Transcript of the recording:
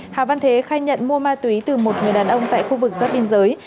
hà văn thế khai nhận mua ma túy từ một người đàn ông tại khu vực giáp biên giới